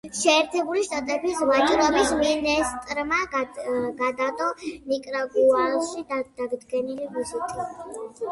შეერთებული შტატების ვაჭრობის მინისტრმა გადადო ნიკარაგუაში დაგეგმილი ვიზიტი.